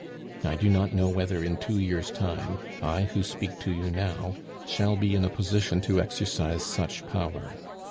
I do not know whether in two years' time, I who speak to you now, shall be in a position to exercise such power.